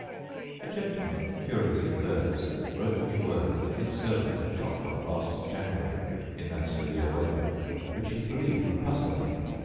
A gentleman, curious in birds, wrote me word that his servant had shot one last January, in that severe weather, which he believed would puzzle me.